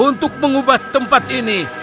untuk mengubah tempat ini